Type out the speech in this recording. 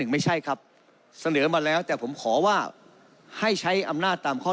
ไม่ใช่ครับเสนอมาแล้วแต่ผมขอว่าให้ใช้อำนาจตามข้อ